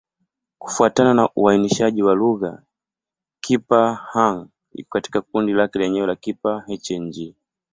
Kufuatana na uainishaji wa lugha, Kipa-Hng iko katika kundi lake lenyewe la Kipa-Hng.